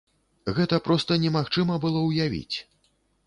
Гэта проста немагчыма было ўявіць!